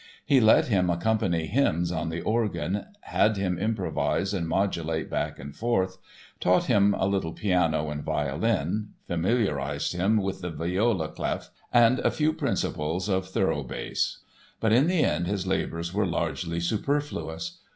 He let him accompany hymns on the organ, had him improvise and modulate back and forth, taught him a little piano and violin, familiarized him with the viola clef and a few principles of thorough bass. But in the end his labors were largely superfluous.